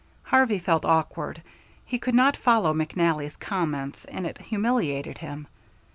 Harvey felt awkward. He could not follow McNally's comments, and it humiliated him.